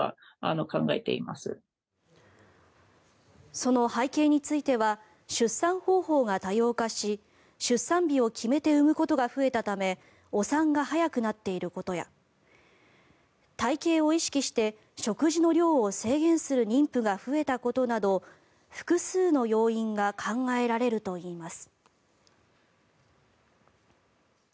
その背景については出産方法が多様化し出産日を決めて産むことが増えたためお産が早くなっていることや体形を意識して食事の量を制限する妊婦が増えたことなど複数の要因が考えられるといいます。